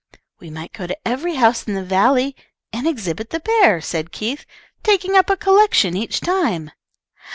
"We might go to every house in the valley, and exhibit the bear," said Keith, "taking up a collection each time."